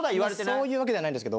そういうわけではないです。